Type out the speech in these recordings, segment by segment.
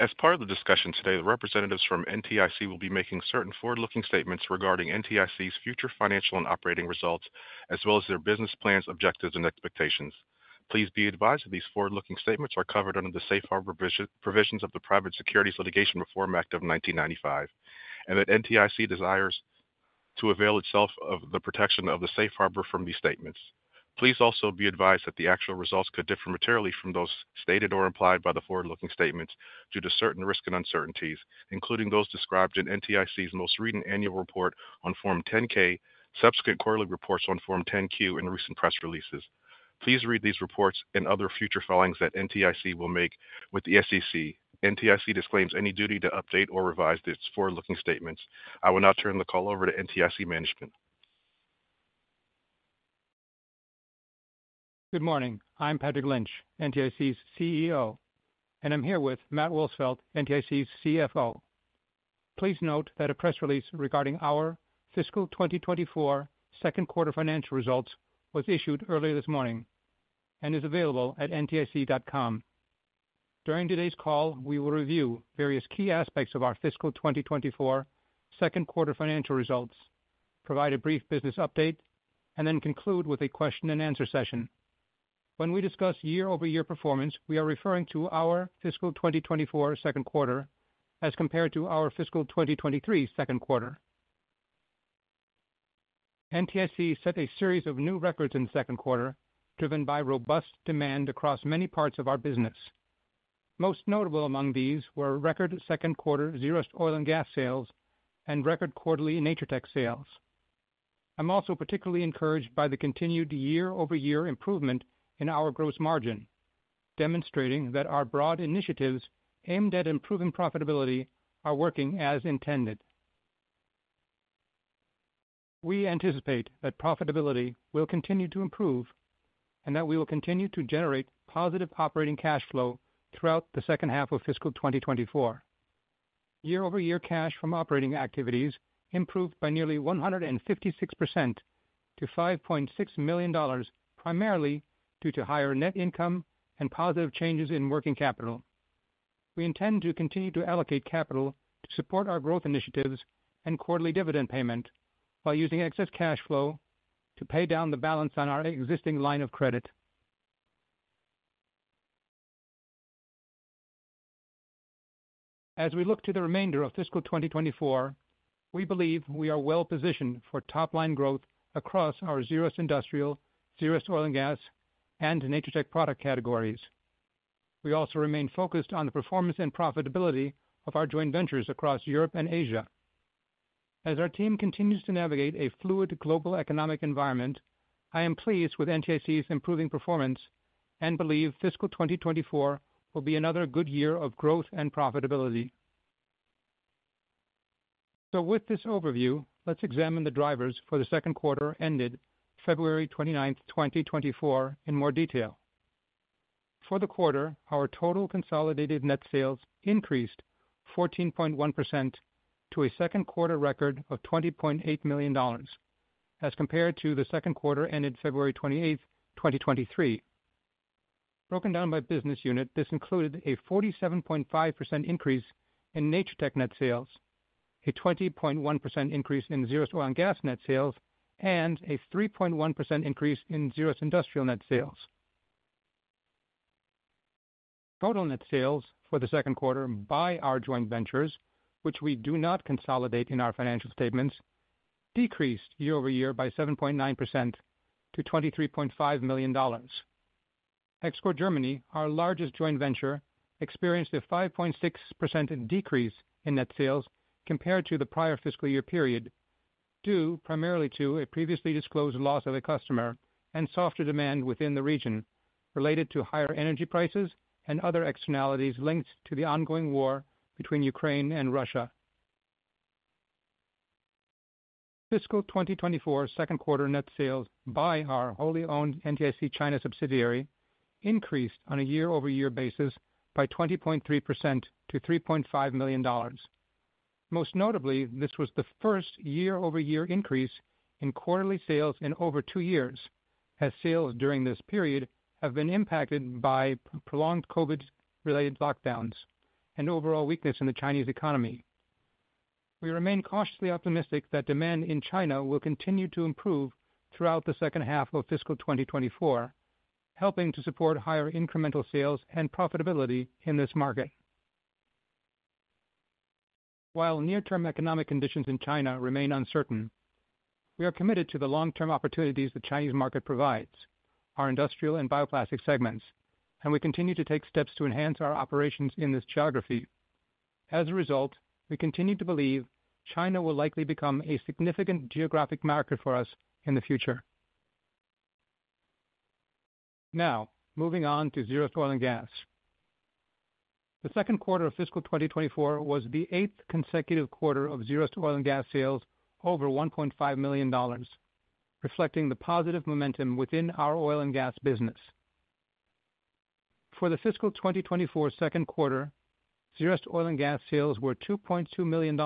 As part of the discussion today, the representatives from NTIC will be making certain forward-looking statements regarding NTIC's future financial and operating results, as well as their business plans, objectives, and expectations. Please be advised that these forward-looking statements are covered under the Safe Harbor provisions of the Private Securities Litigation Reform Act of 1995, and that NTIC desires to avail itself of the protection of the Safe Harbor from these statements. Please also be advised that the actual results could differ materially from those stated or implied by the forward-looking statements due to certain risk and uncertainties, including those described in NTIC's most recent annual report on Form 10-K, subsequent quarterly reports on Form 10-Q, and recent press releases. Please read these reports and other future findings that NTIC will make with the SEC. NTIC disclaims any duty to update or revise its forward-looking statements. I will now turn the call over to NTIC management. Good morning. I'm Patrick Lynch, NTIC's CEO, and I'm here with Matt Wolsfeld, NTIC's CFO. Please note that a press release regarding our fiscal 2024 second quarter financial results was issued earlier this morning and is available at ntic.com. During today's call, we will review various key aspects of our fiscal 2024 second quarter financial results, provide a brief business update, and then conclude with a question-and-answer session. When we discuss year-over-year performance, we are referring to our fiscal 2024 second quarter as compared to our fiscal 2023 second quarter. NTIC set a series of new records in the second quarter driven by robust demand across many parts of our business. Most notable among these were record second quarter Zerust Oil & Gas sales and record quarterly Natur-Tec sales. I'm also particularly encouraged by the continued year-over-year improvement in our gross margin, demonstrating that our broad initiatives aimed at improving profitability are working as intended. We anticipate that profitability will continue to improve and that we will continue to generate positive operating cash flow throughout the second half of fiscal 2024. Year-over-year cash from operating activities improved by nearly 156% to $5.6 million, primarily due to higher net income and positive changes in working capital. We intend to continue to allocate capital to support our growth initiatives and quarterly dividend payment while using excess cash flow to pay down the balance on our existing line of credit. As we look to the remainder of fiscal 2024, we believe we are well positioned for top-line growth across our Zerust Industrial, Zerust Oil & Gas, and Natur-Tec product categories. We also remain focused on the performance and profitability of our joint ventures across Europe and Asia. As our team continues to navigate a fluid global economic environment, I am pleased with NTIC's improving performance and believe fiscal 2024 will be another good year of growth and profitability. So with this overview, let's examine the drivers for the second quarter ended February 29th, 2024, in more detail. For the quarter, our total consolidated net sales increased 14.1% to a second quarter record of $20.8 million as compared to the second quarter ended February 28th, 2023. Broken down by business unit, this included a 47.5% increase in Natur-Tec net sales, a 20.1% increase in Zerust Oil & Gas net sales, and a 3.1% increase in Zerust Industrial net sales. Total net sales for the second quarter by our joint ventures, which we do not consolidate in our financial statements, decreased year-over-year by 7.9% to $23.5 million. EXCOR, our largest joint venture, experienced a 5.6% decrease in net sales compared to the prior fiscal year period due primarily to a previously disclosed loss of a customer and softer demand within the region related to higher energy prices and other externalities linked to the ongoing war between Ukraine and Russia. Fiscal 2024 second quarter net sales by our wholly owned NTIC China subsidiary increased on a year-over-year basis by 20.3% to $3.5 million. Most notably, this was the first year-over-year increase in quarterly sales in over two years as sales during this period have been impacted by prolonged COVID-related lockdowns and overall weakness in the Chinese economy. We remain cautiously optimistic that demand in China will continue to improve throughout the second half of fiscal 2024, helping to support higher incremental sales and profitability in this market. While near-term economic conditions in China remain uncertain, we are committed to the long-term opportunities the Chinese market provides, our industrial and bioplastic segments, and we continue to take steps to enhance our operations in this geography. As a result, we continue to believe China will likely become a significant geographic market for us in the future. Now, moving on to Zerust Oil & Gas. The second quarter of fiscal 2024 was the eighth consecutive quarter of Zerust Oil & Gas sales over $1.5 million, reflecting the positive momentum within our oil and gas business. For the fiscal 2024 second quarter, Zerust Oil & Gas sales were $2.2 million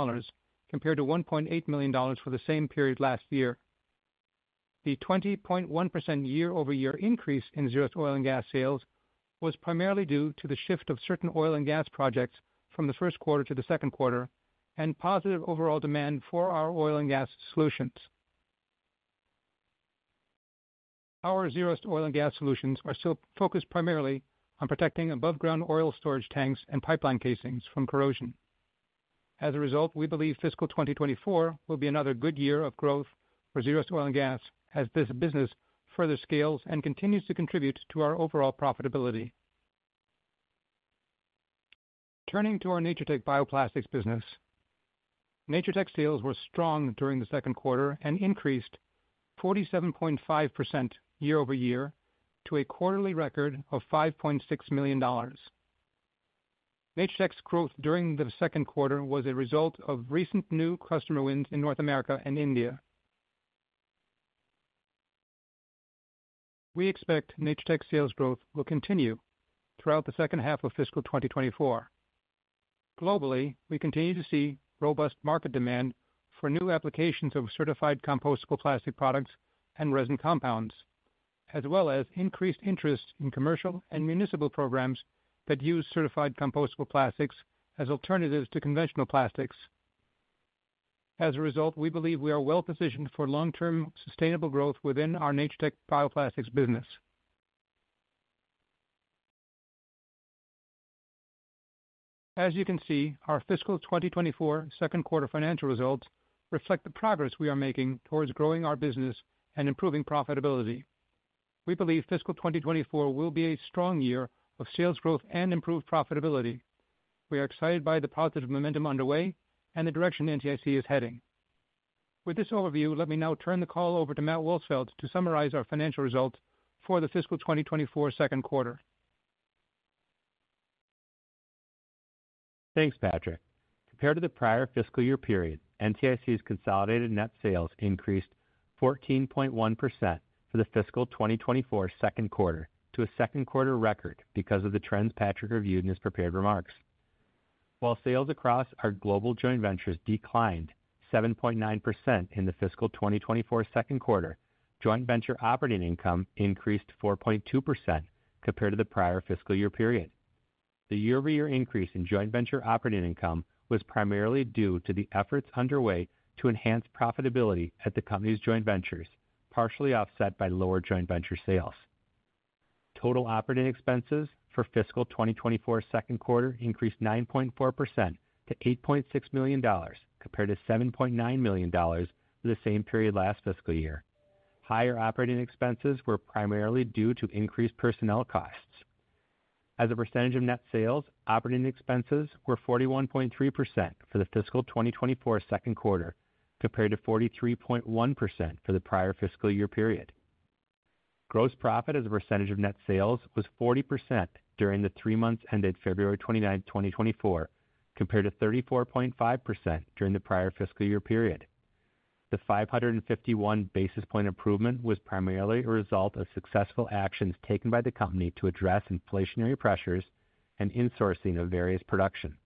compared to $1.8 million for the same period last year. The 20.1% year-over-year increase in Zerust Oil & Gas sales was primarily due to the shift of certain oil and gas projects from the first quarter to the second quarter and positive overall demand for our oil and gas solutions. Our Zerust Oil & Gas solutions are still focused primarily on protecting above-ground oil storage tanks and pipeline casings from corrosion. As a result, we believe fiscal 2024 will be another good year of growth for Zerust Oil & Gas as this business further scales and continues to contribute to our overall profitability. Turning to our Natur-Tec bioplastics business, Natur-Tec sales were strong during the second quarter and increased 47.5% year-over-year to a quarterly record of $5.6 million. Natur-Tec's growth during the second quarter was a result of recent new customer wins in North America and India. We expect Natur-Tec sales growth will continue throughout the second half of fiscal 2024. Globally, we continue to see robust market demand for new applications of certified compostable plastic products and resin compounds, as well as increased interest in commercial and municipal programs that use certified compostable plastics as alternatives to conventional plastics. As a result, we believe we are well positioned for long-term sustainable growth within our Natur-Tec bioplastics business. As you can see, our fiscal 2024 second quarter financial results reflect the progress we are making towards growing our business and improving profitability. We believe fiscal 2024 will be a strong year of sales growth and improved profitability. We are excited by the positive momentum underway and the direction NTIC is heading. With this overview, let me now turn the call over to Matt Wolsfeld to summarize our financial results for the fiscal 2024 second quarter. Thanks, Patrick. Compared to the prior fiscal year period, NTIC's consolidated net sales increased 14.1% for the fiscal 2024 second quarter to a second quarter record because of the trends Patrick reviewed in his prepared remarks. While sales across our global joint ventures declined 7.9% in the fiscal 2024 second quarter, joint venture operating income increased 4.2% compared to the prior fiscal year period. The year-over-year increase in joint venture operating income was primarily due to the efforts underway to enhance profitability at the company's joint ventures, partially offset by lower joint venture sales. Total operating expenses for fiscal 2024 second quarter increased 9.4% to $8.6 million compared to $7.9 million for the same period last fiscal year. Higher operating expenses were primarily due to increased personnel costs. As a percentage of net sales, operating expenses were 41.3% for the fiscal 2024 second quarter compared to 43.1% for the prior fiscal year period. Gross profit as a percentage of net sales was 40% during the three months ended February 29, 2024, compared to 34.5% during the prior fiscal year period. The 551 basis point improvement was primarily a result of successful actions taken by the company to address inflationary pressures and insourcing of various production.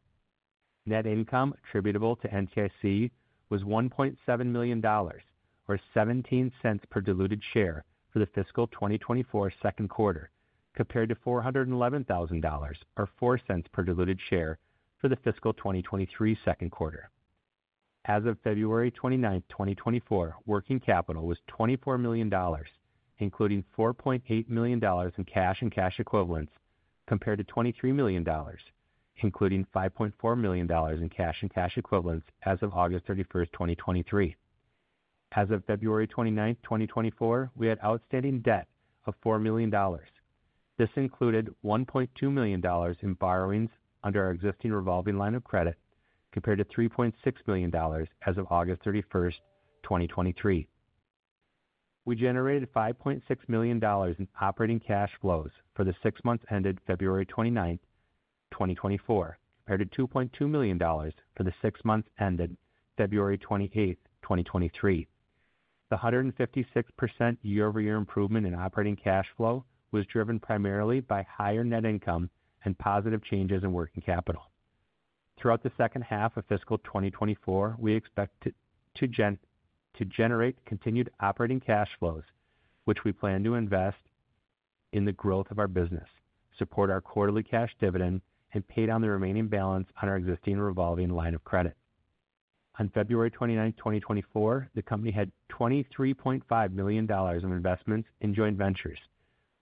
Net income attributable to NTIC was $1.7 million or $0.17 per diluted share for the fiscal 2024 second quarter compared to $411,000 or $0.04 per diluted share for the fiscal 2023 second quarter. As of February 29, 2024, working capital was $24 million, including $4.8 million in cash and cash equivalents, compared to $23 million, including $5.4 million in cash and cash equivalents as of August 31st, 2023. As of February 29, 2024, we had outstanding debt of $4 million. This included $1.2 million in borrowings under our existing revolving line of credit compared to $3.6 million as of August 31st, 2023. We generated $5.6 million in operating cash flows for the six months ended February 29, 2024, compared to $2.2 million for the six months ended February 28th, 2023. The 156% year-over-year improvement in operating cash flow was driven primarily by higher net income and positive changes in working capital. Throughout the second half of fiscal 2024, we expect to generate continued operating cash flows, which we plan to invest in the growth of our business, support our quarterly cash dividend, and pay down the remaining balance on our existing revolving line of credit. On February 29, 2024, the company had $23.5 million in investments in joint ventures,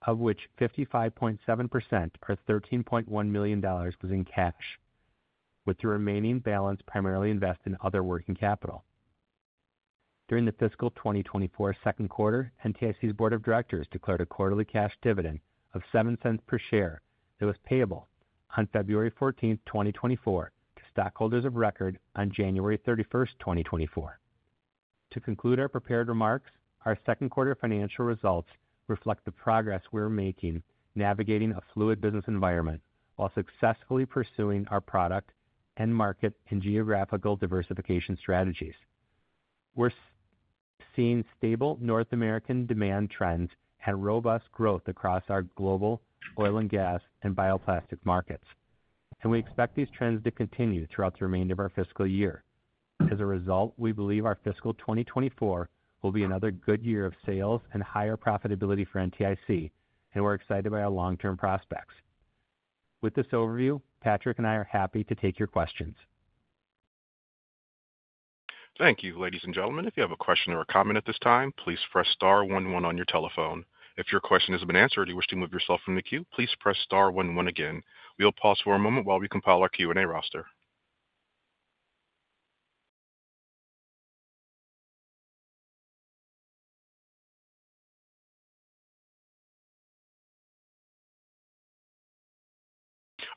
of which 55.7% or $13.1 million was in cash, with the remaining balance primarily invested in other working capital. During the fiscal 2024 second quarter, NTIC's board of directors declared a quarterly cash dividend of $0.07 per share that was payable on February 14th, 2024, to stockholders of record on January 31st, 2024. To conclude our prepared remarks, our second quarter financial results reflect the progress we are making navigating a fluid business environment while successfully pursuing our product and market and geographical diversification strategies. We're seeing stable North American demand trends and robust growth across our global oil and gas and bioplastic markets, and we expect these trends to continue throughout the remainder of our fiscal year. As a result, we believe our fiscal 2024 will be another good year of sales and higher profitability for NTIC, and we're excited by our long-term prospects. With this overview, Patrick and I are happy to take your questions. Thank you, ladies and gentlemen. If you have a question or a comment at this time, please press star 11 on your telephone. If your question hasn't been answered or you wish to move yourself from the queue, please press star 11 again. We'll pause for a moment while we compile our Q&A roster.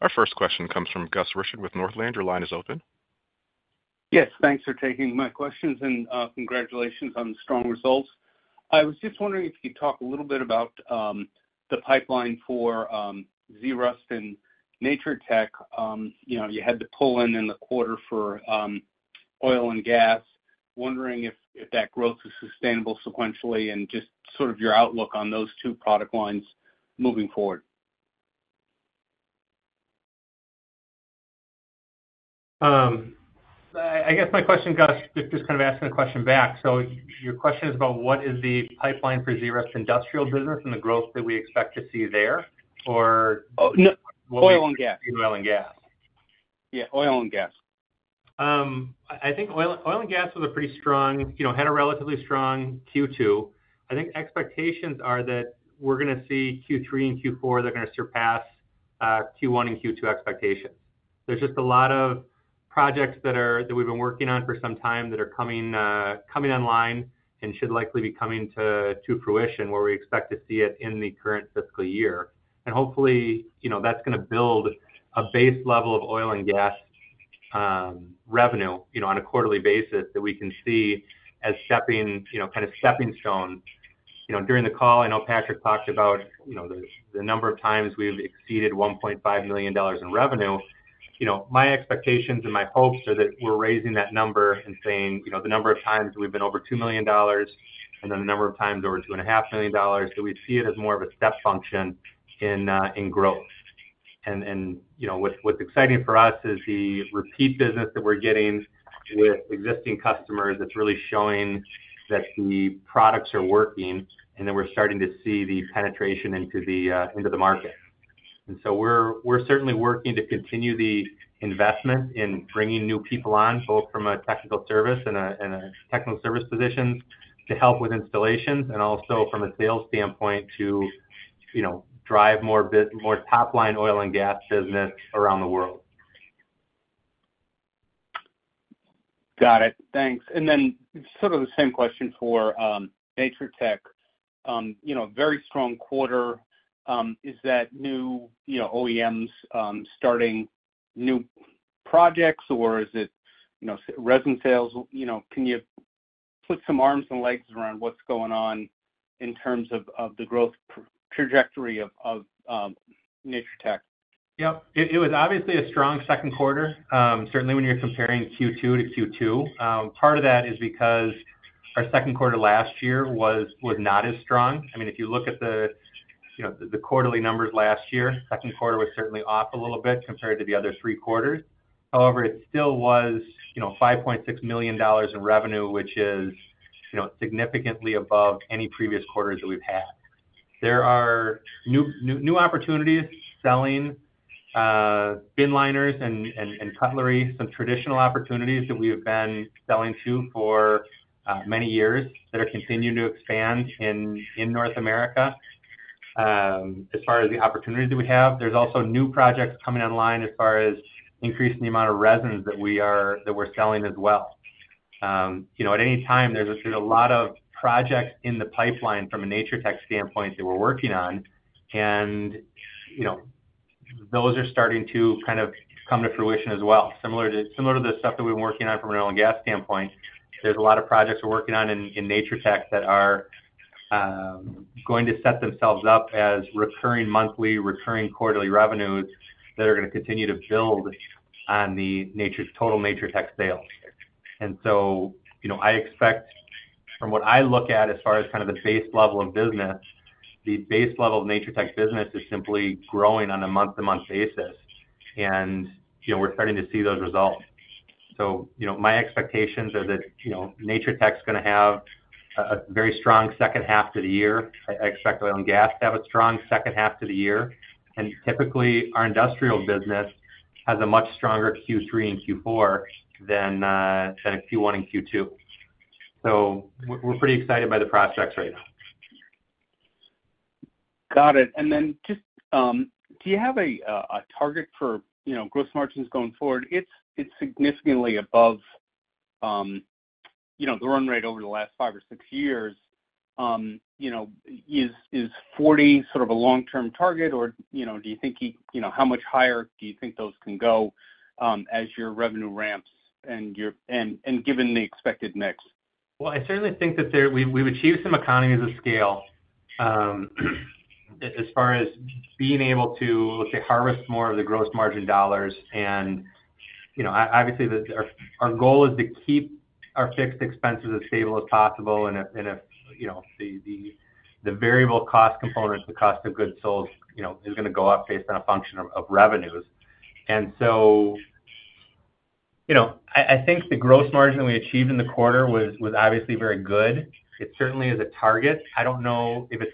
Our first question comes from Gus Richard with Northland. Your line is open. Yes. Thanks for taking my questions and congratulations on the strong results. I was just wondering if you could talk a little bit about the pipeline for Zerust and Natur-Tec. You had to pull in in the quarter for oil and gas. Wondering if that growth was sustainable sequentially and just sort of your outlook on those two product lines moving forward. I guess my question, Gus, just kind of asking a question back. So your question is about what is the pipeline for Zerust Industrial business and the growth that we expect to see there, or what will you? Oil and gas. Oil and gas. Yeah. Oil and gas. I think oil and gas was a pretty strong, had a relatively strong Q2. I think expectations are that we're going to see Q3 and Q4 that are going to surpass Q1 and Q2 expectations. There's just a lot of projects that we've been working on for some time that are coming online and should likely be coming to fruition where we expect to see it in the current fiscal year. And hopefully, that's going to build a base level of oil and gas revenue on a quarterly basis that we can see as kind of stepping stones. During the call, I know Patrick talked about the number of times we've exceeded $1.5 million in revenue. My expectations and my hopes are that we're raising that number and saying the number of times we've been over $2 million and then the number of times over $2.5 million, that we see it as more of a step function in growth. What's exciting for us is the repeat business that we're getting with existing customers that's really showing that the products are working and that we're starting to see the penetration into the market. So we're certainly working to continue the investment in bringing new people on, both from a technical service and technical service positions to help with installations and also from a sales standpoint to drive more top-line oil and gas business around the world. Got it. Thanks. And then sort of the same question for Natur-Tec. Very strong quarter. Is that new OEMs starting new projects, or is it resin sales? Can you put some arms and legs around what's going on in terms of the growth trajectory of Natur-Tec? Yep. It was obviously a strong second quarter, certainly when you're comparing Q2 to Q2. Part of that is because our second quarter last year was not as strong. I mean, if you look at the quarterly numbers last year, second quarter was certainly off a little bit compared to the other three quarters. However, it still was $5.6 million in revenue, which is significantly above any previous quarters that we've had. There are new opportunities selling bin liners and cutlery, some traditional opportunities that we have been selling to for many years that are continuing to expand in North America as far as the opportunities that we have. There's also new projects coming online as far as increasing the amount of resins that we're selling as well. At any time, there's a lot of projects in the pipeline from a Natur-Tec standpoint that we're working on, and those are starting to kind of come to fruition as well. Similar to the stuff that we've been working on from an oil and gas standpoint, there's a lot of projects we're working on in Natur-Tec that are going to set themselves up as recurring monthly, recurring quarterly revenues that are going to continue to build on the total Natur-Tec sales. And so I expect, from what I look at as far as kind of the base level of business, the base level of Natur-Tec business is simply growing on a month-to-month basis, and we're starting to see those results. So my expectations are that Natur-Tec's going to have a very strong second half to the year. I expect oil and gas to have a strong second half to the year. And typically, our industrial business has a much stronger Q3 and Q4 than a Q1 and Q2. So we're pretty excited by the prospects right now. Got it. And then just do you have a target for gross margins going forward? It's significantly above the run rate over the last five or six years. Is 40 sort of a long-term target, or do you think how much higher do you think those can go as your revenue ramps and given the expected mix? Well, I certainly think that we've achieved some economies of scale as far as being able to, let's say, harvest more of the gross margin dollars. And obviously, our goal is to keep our fixed expenses as stable as possible. And if the variable cost component, the cost of goods sold, is going to go up based on a function of revenues. And so I think the gross margin that we achieved in the quarter was obviously very good. It certainly is a target. I don't know if it's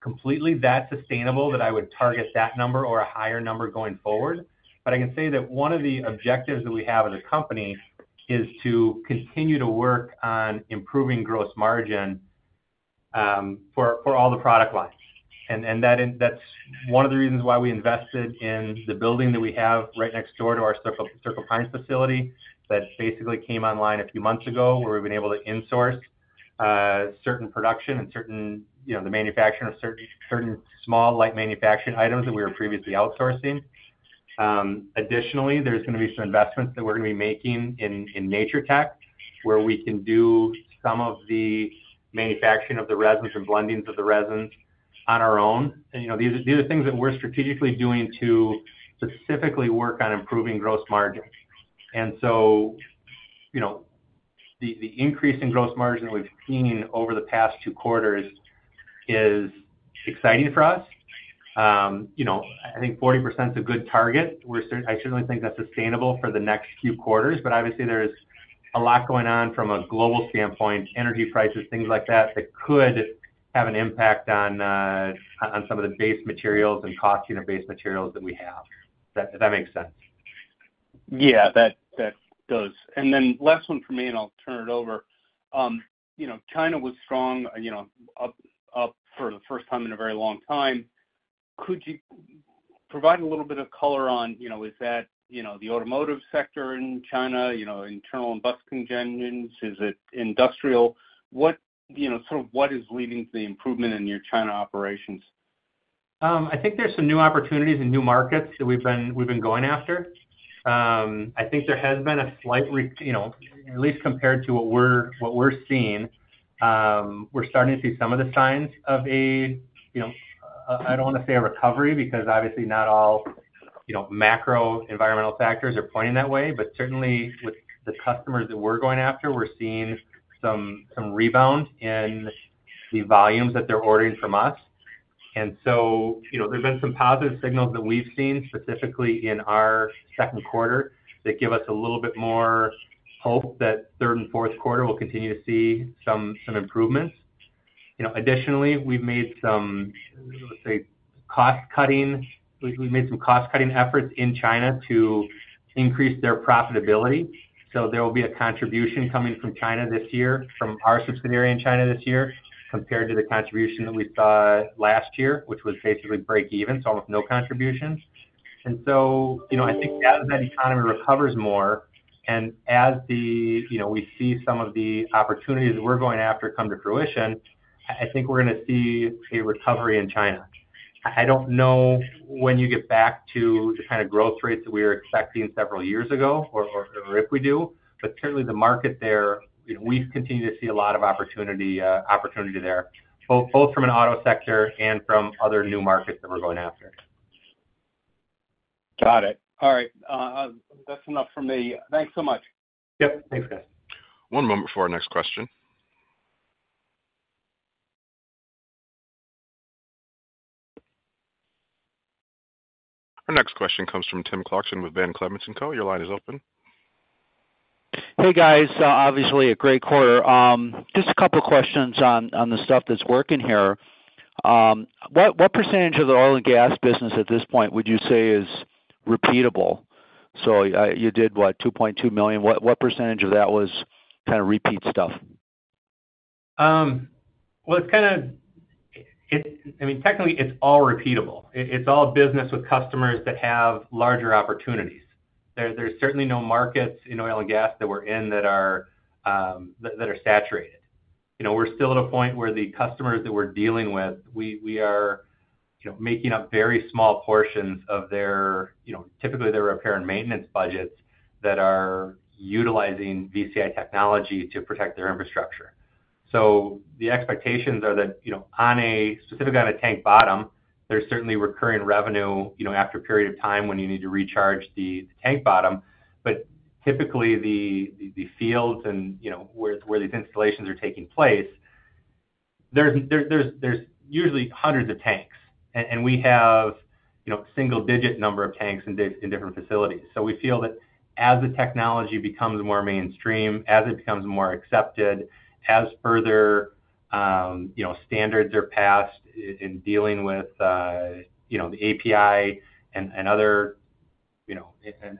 completely that sustainable that I would target that number or a higher number going forward, but I can say that one of the objectives that we have as a company is to continue to work on improving gross margin for all the product lines. And that's one of the reasons why we invested in the building that we have right next door to our Circle Pines facility that basically came online a few months ago, where we've been able to insource certain production and the manufacturing of certain small, light manufacturing items that we were previously outsourcing. Additionally, there's going to be some investments that we're going to be making in Natur-Tec where we can do some of the manufacturing of the resins and blendings of the resins on our own. And these are things that we're strategically doing to specifically work on improving gross margin. And so the increase in gross margin that we've seen over the past two quarters is exciting for us. I think 40% is a good target. I certainly think that's sustainable for the next few quarters. Obviously, there's a lot going on from a global standpoint, energy prices, things like that that could have an impact on some of the base materials and costing of base materials that we have, if that makes sense. Yeah, that does. And then last one for me, and I'll turn it over. China was strong, up for the first time in a very long time. Could you provide a little bit of color on, is that the automotive sector in China, internal combustion engines? Is it industrial? Sort of what is leading to the improvement in your China operations? I think there's some new opportunities and new markets that we've been going after. I think there has been a slight, at least compared to what we're seeing. We're starting to see some of the signs of a recovery. I don't want to say a recovery because obviously, not all macro environmental factors are pointing that way. But certainly, with the customers that we're going after, we're seeing some rebound in the volumes that they're ordering from us. And so there's been some positive signals that we've seen specifically in our second quarter that give us a little bit more hope that third and fourth quarter will continue to see some improvements. Additionally, we've made some, let's say, cost-cutting. We've made some cost-cutting efforts in China to increase their profitability. So there will be a contribution coming from China this year, from our subsidiary in China this year, compared to the contribution that we saw last year, which was basically break-even, so almost no contribution. And so I think as that economy recovers more and as we see some of the opportunities that we're going after come to fruition, I think we're going to see a recovery in China. I don't know when you get back to the kind of growth rates that we were expecting several years ago or if we do, but certainly, the market there, we've continued to see a lot of opportunity there, both from an auto sector and from other new markets that we're going after. Got it. All right. That's enough from me. Thanks so much. Yep. Thanks, guys. One moment for our next question. Our next question comes from Tim Clarkson with Van Clemens & Co. Your line is open. Hey, guys. Obviously, a great quarter. Just a couple of questions on the stuff that's working here. What percentage of the oil and gas business at this point would you say is repeatable? So you did, what, $2.2 million. What percentage of that was kind of repeat stuff? Well, it's kind of, I mean, technically, it's all repeatable. It's all business with customers that have larger opportunities. There's certainly no markets in oil and gas that we're in that are saturated. We're still at a point where the customers that we're dealing with, we are making up very small portions of their, typically, their repair and maintenance budgets that are utilizing VCI technology to protect their infrastructure. So the expectations are that specifically on a tank bottom, there's certainly recurring revenue after a period of time when you need to recharge the tank bottom. But typically, the fields and where these installations are taking place, there's usually hundreds of tanks. And we have a single-digit number of tanks in different facilities. So we feel that as the technology becomes more mainstream, as it becomes more accepted, as further standards are passed in dealing with the API and other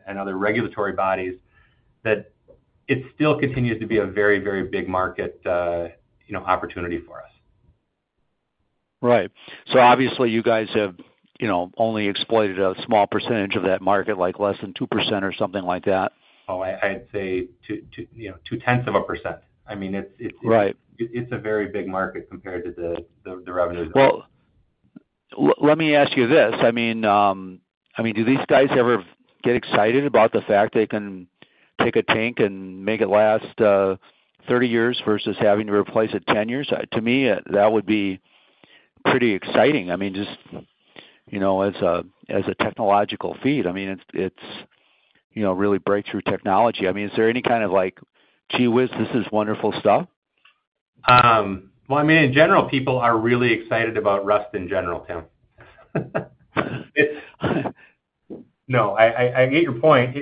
regulatory bodies, that it still continues to be a very, very big market opportunity for us. Right. So obviously, you guys have only exploited a small percentage of that market, like less than 2% or something like that. Oh, I'd say 0.2%. I mean, it's a very big market compared to the revenues that we have. Well, let me ask you this. I mean, do these guys ever get excited about the fact they can take a tank and make it last 30 years versus having to replace it 10 years? To me, that would be pretty exciting. I mean, just as a technological feat, I mean, it's really breakthrough technology. I mean, is there any kind of gee whiz, this is wonderful stuff? Well, I mean, in general, people are really excited about Zerust in general, Tim. No, I get your point.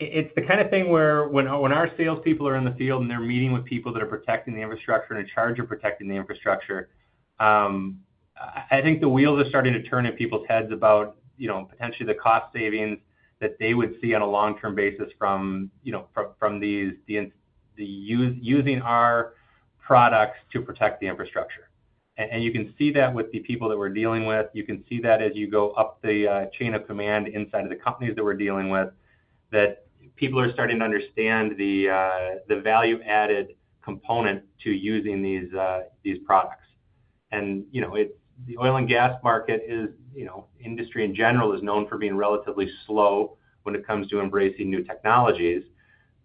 It's the kind of thing where when our salespeople are in the field and they're meeting with people that are protecting the infrastructure and in charge of protecting the infrastructure, I think the wheels are starting to turn in people's heads about potentially the cost savings that they would see on a long-term basis from using our products to protect the infrastructure. And you can see that with the people that we're dealing with. You can see that as you go up the chain of command inside of the companies that we're dealing with, that people are starting to understand the value-added component to using these products. And the oil and gas market is industry in general is known for being relatively slow when it comes to embracing new technologies.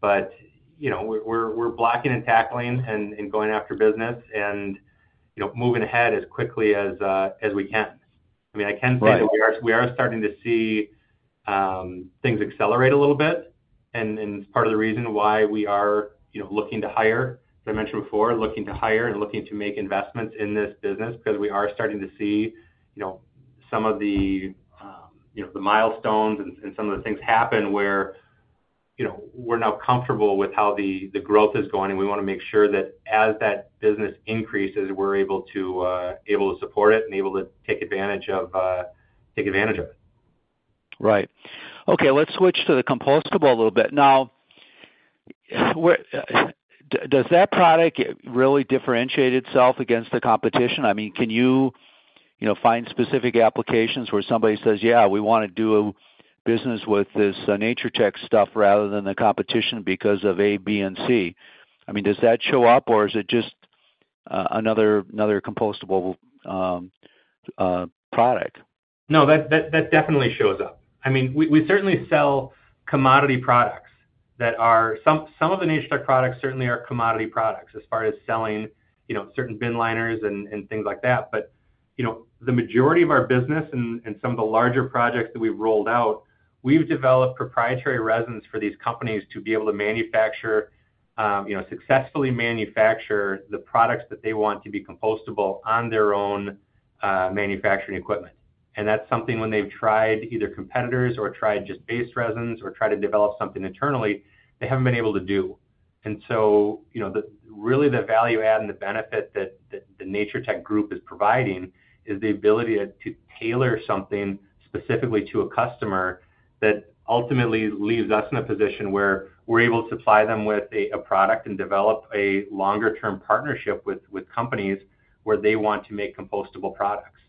We're blocking and tackling and going after business and moving ahead as quickly as we can. I mean, I can say that we are starting to see things accelerate a little bit. It's part of the reason why we are looking to hire, as I mentioned before, looking to hire and looking to make investments in this business because we are starting to see some of the milestones and some of the things happen where we're now comfortable with how the growth is going. We want to make sure that as that business increases, we're able to support it and able to take advantage of it. Right. Okay. Let's switch to the compostable a little bit. Now, does that product really differentiate itself against the competition? I mean, can you find specific applications where somebody says, "Yeah, we want to do business with this Natur-Tec stuff rather than the competition because of A, B, and C"? I mean, does that show up, or is it just another compostable product? No, that definitely shows up. I mean, we certainly sell commodity products that are some of the Natur-Tec products certainly are commodity products as far as selling certain bin liners and things like that. But the majority of our business and some of the larger projects that we've rolled out, we've developed proprietary resins for these companies to be able to manufacture, successfully manufacture the products that they want to be compostable on their own manufacturing equipment. And that's something when they've tried either competitors or tried just base resins or tried to develop something internally, they haven't been able to do. And so really, the value-add and the benefit that the Natur-Tec group is providing is the ability to tailor something specifically to a customer that ultimately leaves us in a position where we're able to supply them with a product and develop a longer-term partnership with companies where they want to make compostable products.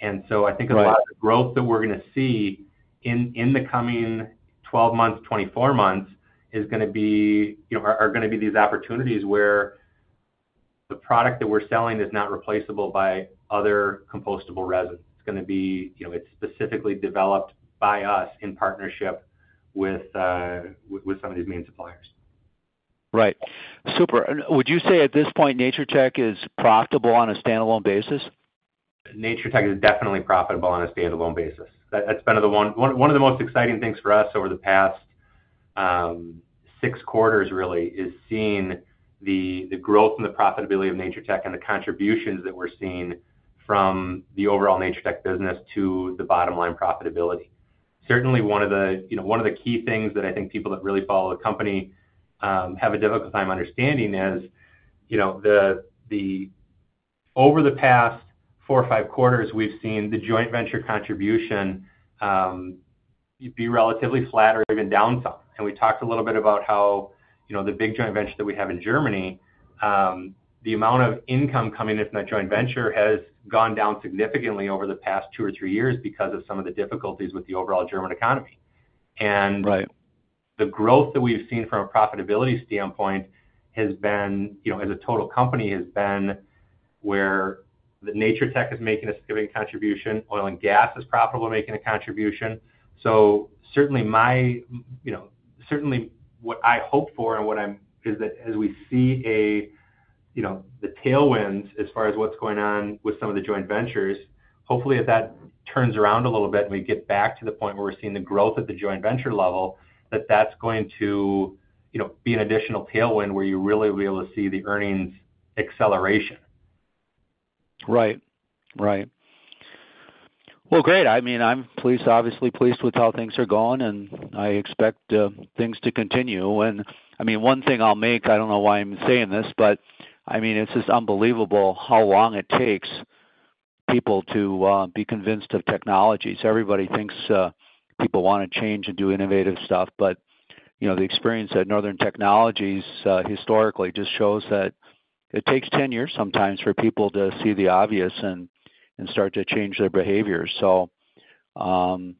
And so I think a lot of the growth that we're going to see in the coming 12 months, 24 months is going to be these opportunities where the product that we're selling is not replaceable by other compostable resins. It's specifically developed by us in partnership with some of these main suppliers. Right. Super. And would you say at this point, Natur-Tec is profitable on a standalone basis? Natur-Tec is definitely profitable on a standalone basis. That's been one of the most exciting things for us over the past six quarters, really, is seeing the growth and the profitability of Natur-Tec and the contributions that we're seeing from the overall Natur-Tec business to the bottom-line profitability. Certainly, one of the key things that I think people that really follow the company have a difficult time understanding is over the past four or five quarters, we've seen the joint venture contribution be relatively flat or even down some. And we talked a little bit about how the big joint venture that we have in Germany, the amount of income coming in from that joint venture has gone down significantly over the past two or three years because of some of the difficulties with the overall German economy. The growth that we've seen from a profitability standpoint has been, as a total company, has been where the Natur-Tec is making a significant contribution, oil and gas is profitable making a contribution. So certainly, what I hope for and what I'm is that as we see the tailwinds as far as what's going on with some of the joint ventures, hopefully, if that turns around a little bit and we get back to the point where we're seeing the growth at the joint venture level, that that's going to be an additional tailwind where you really will be able to see the earnings acceleration. Right. Right. Well, great. I mean, I'm obviously pleased with how things are going, and I expect things to continue. And I mean, one thing I'll make I don't know why I'm saying this, but I mean, it's just unbelievable how long it takes people to be convinced of technologies. Everybody thinks people want to change and do innovative stuff. But the experience at Northern Technologies, historically, just shows that it takes 10 years sometimes for people to see the obvious and start to change their behaviors. So I'm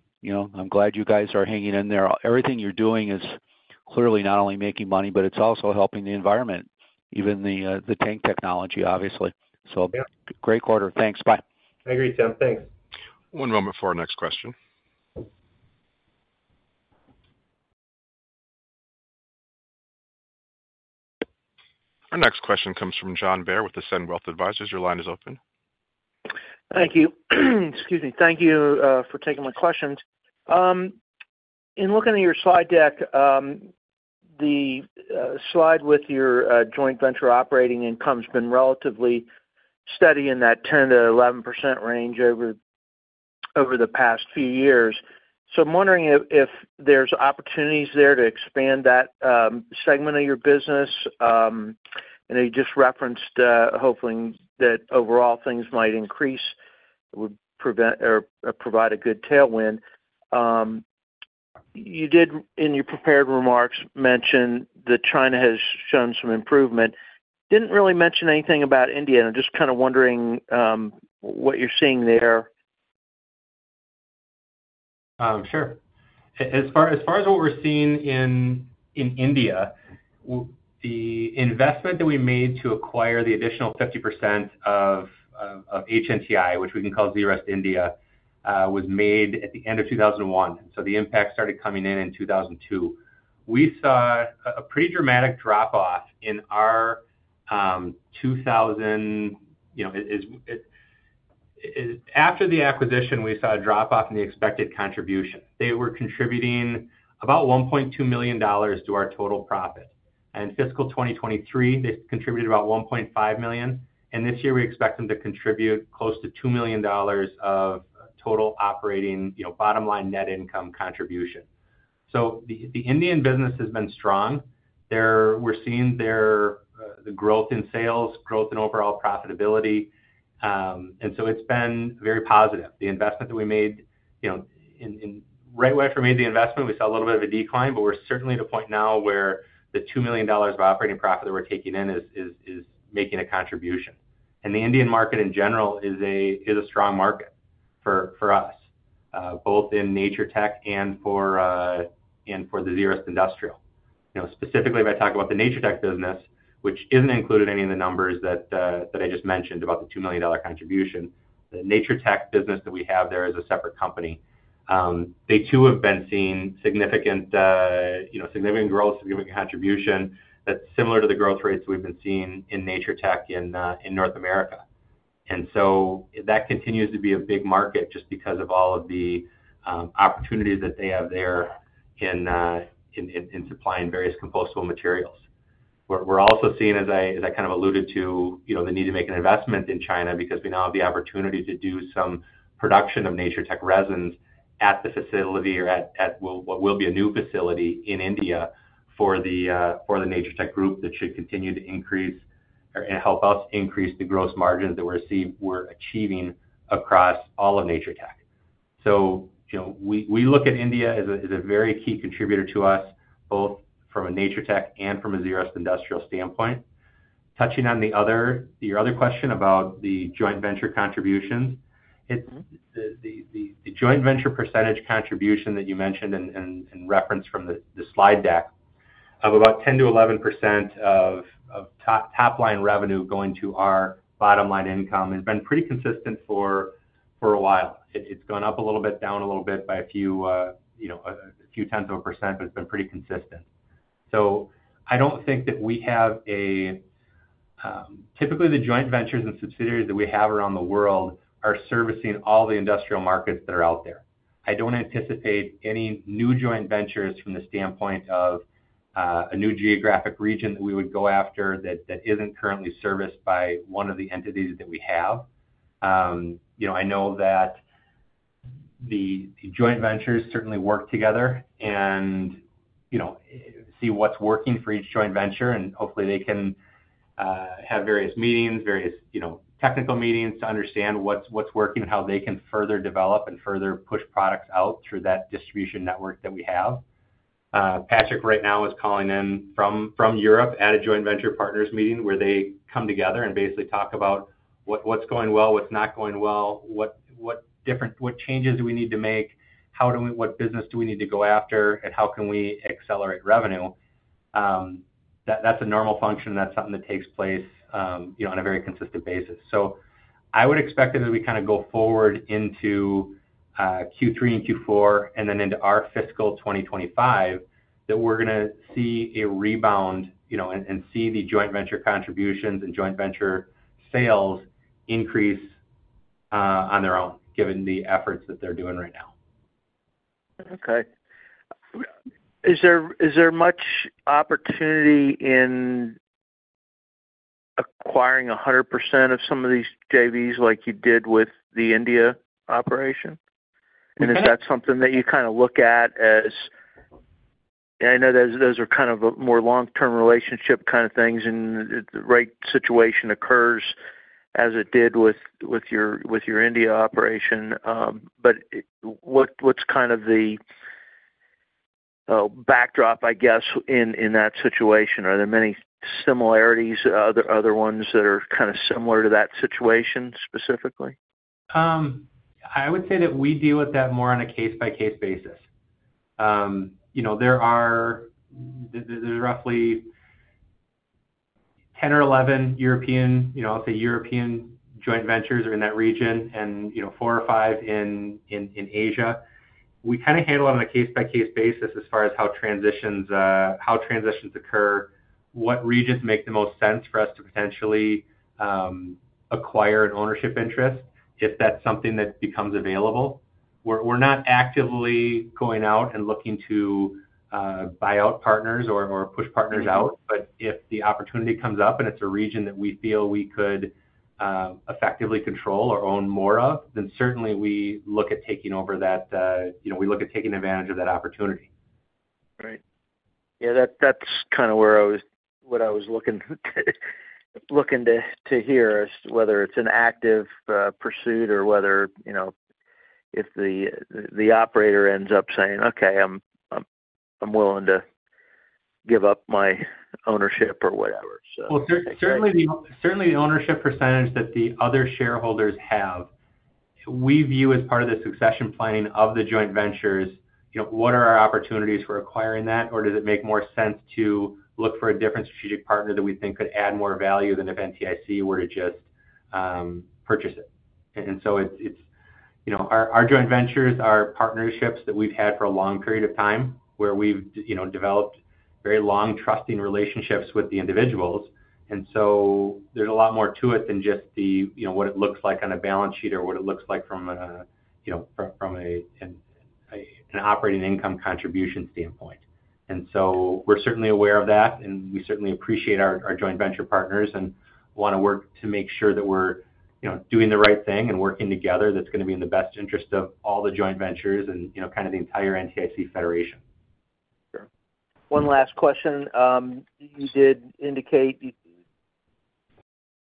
glad you guys are hanging in there. Everything you're doing is clearly not only making money, but it's also helping the environment, even the tank technology, obviously. So great quarter. Thanks. Bye. I agree, Tim. Thanks. One moment for our next question. Our next question comes from John Bair with Ascend Wealth Advisors. Your line is open. Thank you. Excuse me. Thank you for taking my questions. In looking at your slide deck, the slide with your joint venture operating income has been relatively steady in that 10%-11% range over the past few years. So I'm wondering if there's opportunities there to expand that segment of your business? I know you just referenced, hopefully, that overall, things might increase or provide a good tailwind. You did, in your prepared remarks, mention that China has shown some improvement. Didn't really mention anything about India. And I'm just kind of wondering what you're seeing there? Sure. As far as what we're seeing in India, the investment that we made to acquire the additional 50% of HNTI, which we can call Zerust India, was made at the end of 2001. So the impact started coming in in 2002. We saw a pretty dramatic drop-off in our after the acquisition, we saw a drop-off in the expected contribution. They were contributing about $1.2 million to our total profit. And fiscal 2023, they contributed about $1.5 million. And this year, we expect them to contribute close to $2 million of total operating bottom-line net income contribution. So the Indian business has been strong. We're seeing the growth in sales, growth in overall profitability. And so it's been very positive. The investment that we made right after we made the investment, we saw a little bit of a decline. But we're certainly at a point now where the $2 million of operating profit that we're taking in is making a contribution. And the Indian market, in general, is a strong market for us, both in Natur-Tec and for the Zerust Industrial. Specifically, if I talk about the Natur-Tec business, which isn't included in any of the numbers that I just mentioned about the $2 million contribution, the Natur-Tec business that we have there is a separate company. They, too, have been seeing significant growth, significant contribution that's similar to the growth rates we've been seeing in Natur-Tec in North America. And so that continues to be a big market just because of all of the opportunities that they have there in supplying various compostable materials. We're also seeing, as I kind of alluded to, the need to make an investment in China because we now have the opportunity to do some production of Natur-Tec resins at the facility or at what will be a new facility in India for the Natur-Tec group that should continue to increase and help us increase the gross margins that we're achieving across all of Natur-Tec. So we look at India as a very key contributor to us, both from a Natur-Tec and from a Zerust Industrial standpoint. Touching on your other question about the joint venture contributions, the joint venture percentage contribution that you mentioned in reference from the slide deck of about 10%-11% of top-line revenue going to our bottom-line income has been pretty consistent for a while. It's gone up a little bit, down a little bit by a few-tenths of a %, but it's been pretty consistent. So I don't think that we have a typically, the joint ventures and subsidiaries that we have around the world are servicing all the industrial markets that are out there. I don't anticipate any new joint ventures from the standpoint of a new geographic region that we would go after that isn't currently serviced by one of the entities that we have. I know that the joint ventures certainly work together and see what's working for each joint venture. And hopefully, they can have various meetings, various technical meetings to understand what's working and how they can further develop and further push products out through that distribution network that we have. Patrick right now is calling in from Europe at a joint venture partners meeting where they come together and basically talk about what's going well, what's not going well, what changes do we need to make, what business do we need to go after, and how can we accelerate revenue. That's a normal function. That's something that takes place on a very consistent basis. So I would expect that as we kind of go forward into Q3 and Q4 and then into our fiscal 2025, that we're going to see a rebound and see the joint venture contributions and joint venture sales increase on their own, given the efforts that they're doing right now. Okay. Is there much opportunity in acquiring 100% of some of these JVs like you did with the India operation? And is that something that you kind of look at as I know those are kind of more long-term relationship kind of things? And the right situation occurs as it did with your India operation. But what's kind of the backdrop, I guess, in that situation? Are there many similarities, other ones that are kind of similar to that situation specifically? I would say that we deal with that more on a case-by-case basis. There are roughly 10 or 11, I'll say, European joint ventures are in that region and four or five in Asia. We kind of handle it on a case-by-case basis as far as how transitions occur, what regions make the most sense for us to potentially acquire an ownership interest if that's something that becomes available. We're not actively going out and looking to buy out partners or push partners out. But if the opportunity comes up and it's a region that we feel we could effectively control or own more of, then certainly, we look at taking over that we look at taking advantage of that opportunity. Great. Yeah. That's kind of what I was looking to hear, whether it's an active pursuit or whether if the operator ends up saying, "Okay. I'm willing to give up my ownership," or whatever, so. Well, certainly, the ownership percentage that the other shareholders have, we view as part of the succession planning of the joint ventures, what are our opportunities for acquiring that? Or does it make more sense to look for a different strategic partner that we think could add more value than if NTIC were to just purchase it? And so our joint ventures are partnerships that we've had for a long period of time where we've developed very long, trusting relationships with the individuals. And so there's a lot more to it than just what it looks like on a balance sheet or what it looks like from an operating income contribution standpoint. And so we're certainly aware of that. We certainly appreciate our joint venture partners and want to work to make sure that we're doing the right thing and working together, that's going to be in the best interest of all the joint ventures and kind of the entire NTIC federation. Sure. One last question. You did indicate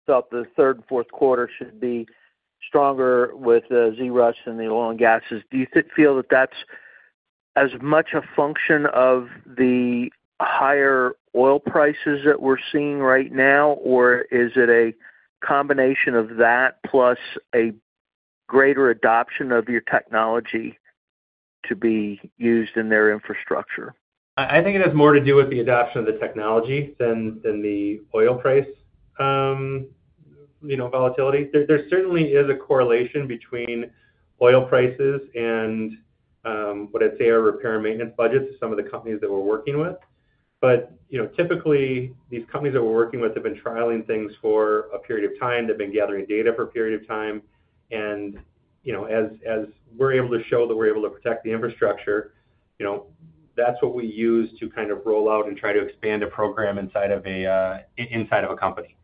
about the third and fourth quarter should be stronger with Zerust and the oil and gas. Do you feel that that's as much a function of the higher oil prices that we're seeing right now? Or is it a combination of that plus a greater adoption of your technology to be used in their infrastructure? I think it has more to do with the adoption of the technology than the oil price volatility. There certainly is a correlation between oil prices and what I'd say our repair and maintenance budgets of some of the companies that we're working with. But typically, these companies that we're working with have been trialing things for a period of time. They've been gathering data for a period of time. And as we're able to show that we're able to protect the infrastructure, that's what we use to kind of roll out and try to expand a program inside of a company.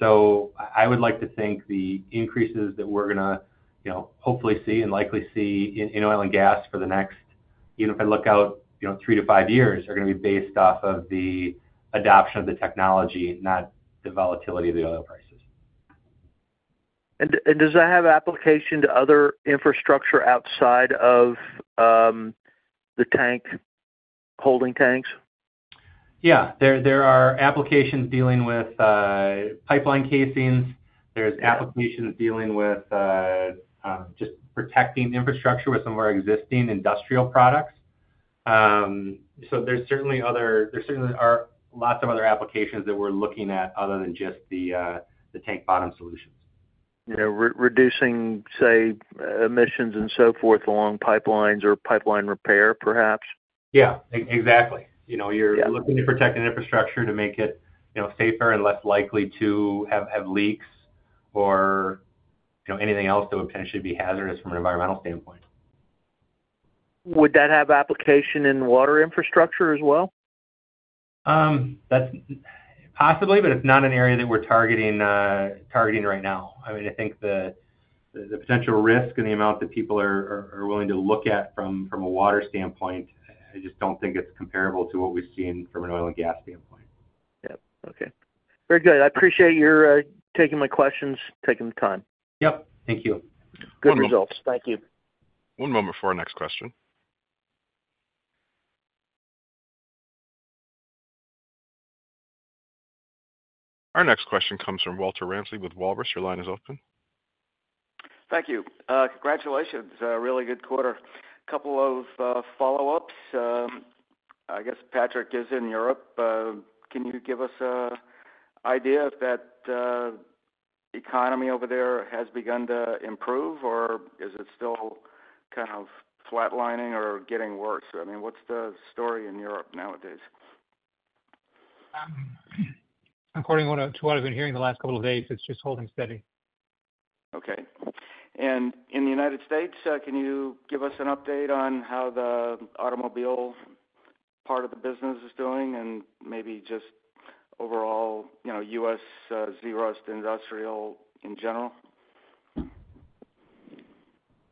So I would like to think the increases that we're going to hopefully see and likely see in oil and gas for the next, even if I look out 3-5 years, are going to be based off of the adoption of the technology, not the volatility of the oil prices. Does that have application to other infrastructure outside of the tank holding tanks? Yeah. There are applications dealing with pipeline casings. There's applications dealing with just protecting infrastructure with some of our existing industrial products. So there certainly are lots of other applications that we're looking at other than just the tank bottom solutions. Reducing, say, emissions and so forth along pipelines or pipeline repair, perhaps? Yeah. Exactly. You're looking to protect an infrastructure to make it safer and less likely to have leaks or anything else that would potentially be hazardous from an environmental standpoint. Would that have application in water infrastructure as well? Possibly, but it's not an area that we're targeting right now. I mean, I think the potential risk and the amount that people are willing to look at from a water standpoint, I just don't think it's comparable to what we've seen from an oil and gas standpoint. Yep. Okay. Very good. I appreciate your taking my questions, taking the time. Yep. Thank you. Good results. Thank you. One moment for our next question. Our next question comes from Walter Ramsley with Walrus. Your line is open. Thank you. Congratulations. Really good quarter. A couple of follow-ups. I guess Patrick is in Europe. Can you give us an idea if that economy over there has begun to improve? Or is it still kind of flatlining or getting worse? I mean, what's the story in Europe nowadays? According to what I've been hearing the last couple of days, it's just holding steady. Okay. And in the United States, can you give us an update on how the automobile part of the business is doing and maybe just overall U.S. Zerust Industrial in general?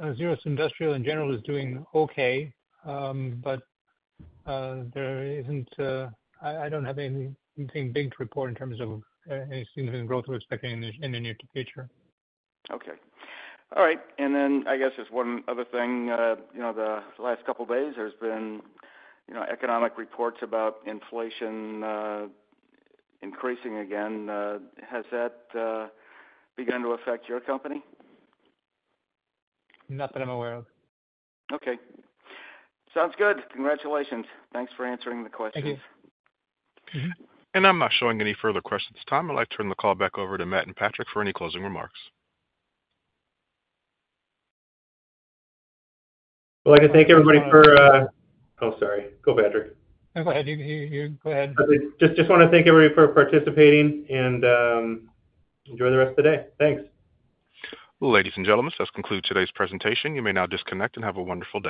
Zerust Industrial in general is doing okay. But I don't have anything big to report in terms of any significant growth we're expecting in the near future. Okay. All right. And then I guess just one other thing. The last couple of days, there's been economic reports about inflation increasing again. Has that begun to affect your company? Not that I'm aware of. Okay. Sounds good. Congratulations. Thanks for answering the questions. Thank you. I'm not showing any further questions at this time. I'd like to turn the call back over to Matt and Patrick for any closing remarks. Well, I'd like to thank everybody for, oh, sorry. Go, Patrick. No, go ahead. You go ahead. Just want to thank everybody for participating and enjoy the rest of the day. Thanks. Ladies and gentlemen, that concludes today's presentation. You may now disconnect and have a wonderful rest.